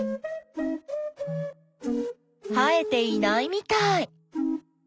生えていないみたい。